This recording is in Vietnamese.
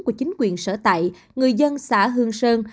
của chính quyền sở tại người dân xã hương sơn